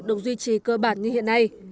được duy trì cơ bản như hiện nay